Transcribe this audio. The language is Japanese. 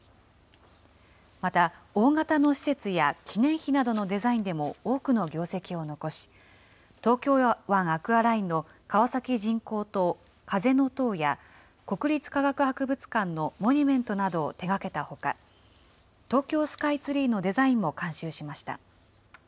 また、大型の施設や記念碑などのデザインでも多くの業績を残し、東京湾アクアラインの川崎人工島、風の塔や国立科学博物館のモニュメントなどを手がけたほか、東京スカイツリーのデザインも監修しました。